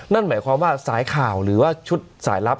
นั่นหมายความว่าสายข่าวหรือว่าชุดสายลับ